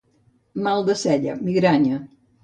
Mal de cella, migranya.